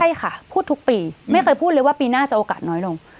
ใช่ค่ะพูดทุกปีไม่เคยพูดเลยว่าปีหน้าจะโอกาสน้อยลง